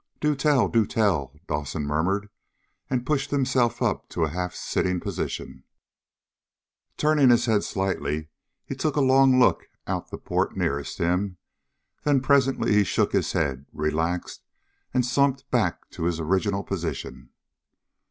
"Do tell, do tell!" Dawson murmured, and pushed himself up to a half sitting position. Turning his head slightly, he took a long look out the port nearest him. Then presently he shook his head, relaxed and slumped back to his original position.